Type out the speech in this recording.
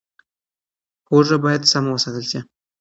هوږه باید سم وساتل شي.